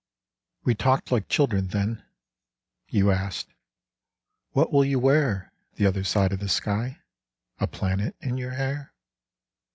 We talked like children then. You asked, " What will you wear The other side of the sky? A planet in your hair